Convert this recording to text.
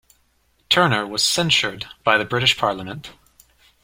Turner was censured by the British Parliament.